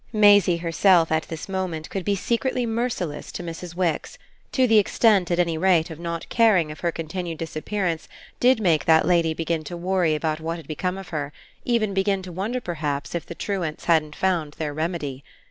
Maisie herself at this moment could be secretly merciless to Mrs. Wix to the extent at any rate of not caring if her continued disappearance did make that lady begin to worry about what had become of her, even begin to wonder perhaps if the truants hadn't found their remedy.